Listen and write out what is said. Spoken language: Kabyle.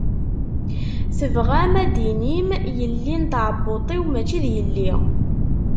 Tebɣam ad d-tinim yelli n tɛebbuṭ-iw mačči d yelli?